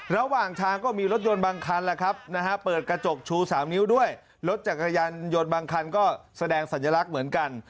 ระหว่างทางก็มีรถยนต์บางคันแหละครับนะฮะเปิดกระจกชู๓นิ้วด้วยรถจักรยานยนต์บางคันก็แสดงสัญลักษณ์เหมือนกัน